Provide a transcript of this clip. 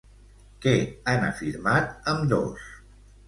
Què han afirmat ambdós?